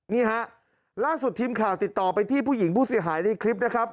นี่ฮะล่าสุดทีมข่าวติดต่อไปที่ผู้หญิงผู้เสียหายในคลิปนะครับ